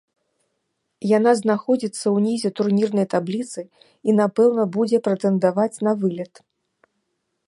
Яна знаходзіцца ўнізе турнірнай табліцы і, напэўна, будзе прэтэндаваць на вылет.